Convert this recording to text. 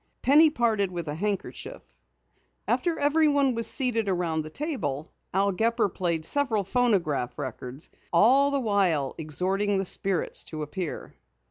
Penny parted with a handkerchief. After everyone was seated about the table, Al Gepper played several phonograph records, all the while exhorting the Spirits to appear.